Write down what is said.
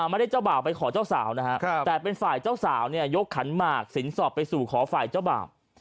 เจ้าบ่าวไปขอเจ้าสาวนะฮะแต่เป็นฝ่ายเจ้าสาวเนี่ยยกขันหมากสินสอบไปสู่ขอฝ่ายเจ้าบ่าว